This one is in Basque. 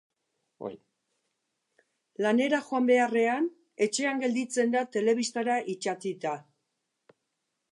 Lanera joan beharrean etxean gelditzen da telebistara itsatsita.